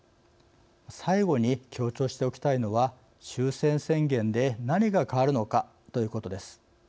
最後に強調しておきたいのは終戦宣言で何が変わるのかということです。